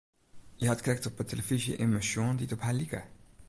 Hja hat krekt op 'e telefyzje immen sjoen dy't op har like.